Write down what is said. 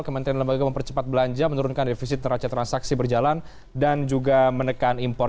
kementerian lembaga mempercepat belanja menurunkan defisit neraca transaksi berjalan dan juga menekan impor